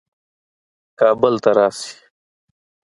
کابل ته راسي.